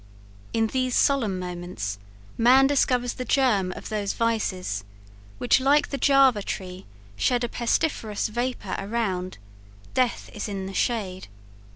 In these solemn moments man discovers the germ of those vices, which like the Java tree shed a pestiferous vapour around death is in the shade!